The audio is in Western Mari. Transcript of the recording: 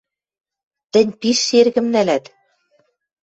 — Тӹнь пиш шергӹм нӓлӓт...